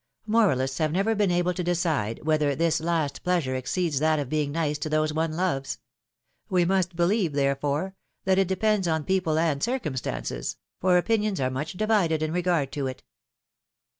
Moralists have never been able to decide whether this last pleasure exceeds that of being nice to those one loves; we must believe, therefore, that it depends on people and circumstances, for opinions are much divided in regard to it.